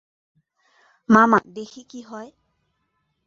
মামা, দেখি কী হয়।